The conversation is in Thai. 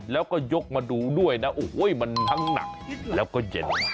แล้วก็ยกมาดูด้วยนะโอ้โหมันทั้งหนักแล้วก็เย็น